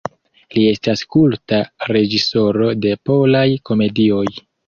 Li estas kulta reĝisoro de polaj komedioj.